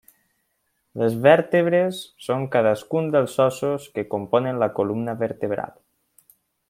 Les vèrtebres són cadascun dels ossos que componen la columna vertebral.